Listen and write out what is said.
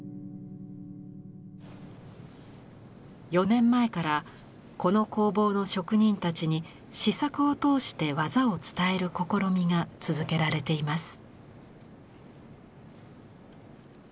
４年前からこの工房の職人たちに試作を通して技を伝える試みが続けられています。